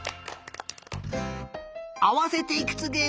あわせていくつ？